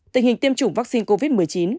tình hình tiêm chủng vaccine covid một mươi chín